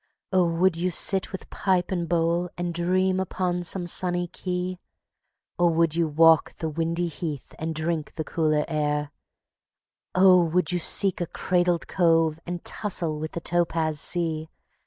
Oh, would you sit with pipe and bowl, and dream upon some sunny quay, Or would you walk the windy heath and drink the cooler air; Oh, would you seek a cradled cove and tussle with the topaz sea!